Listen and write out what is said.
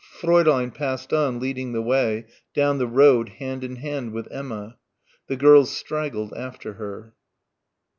Fräulein passed on leading the way, down the road hand in hand with Emma. The girls straggled after her.